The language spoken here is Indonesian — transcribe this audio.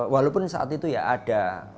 walaupun saat itu ya ada